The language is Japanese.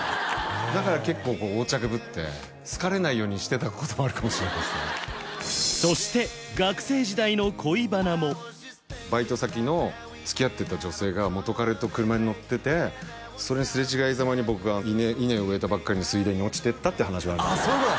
だから結構横着ぶって好かれないようにしてたこともあるかもしれないですねそしてバイト先のつきあってた女性が元彼と車に乗っててそれすれ違いざまに僕が稲を植えたばっかりの水田に落ちてったっていう話もあるんですよああ